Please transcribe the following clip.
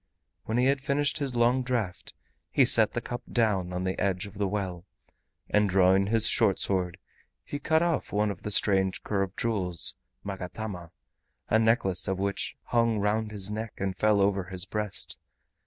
When he had finished his long draught he set the cup down on the edge of the well, and drawing his short sword he cut off one of the strange curved jewels (magatama), a necklace of which hung round his neck and fell over his breast.